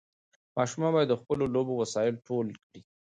ماشومان باید د خپلو لوبو وسایل ټول کړي.